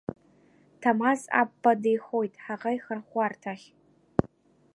Ҭамаз Аппба деихоит ҳаӷа ихырӷәӷәарҭахь.